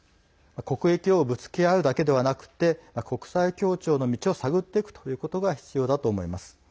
国益をぶつけ合うだけではなくて国際協調の道を探っていくということが必要だと思います。